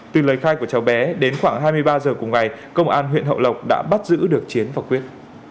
từ lời khai của cháu bé đến khoảng hai mươi ba h cùng ngày công an huyện hậu lộc đã bắt giữ được chiến và quyết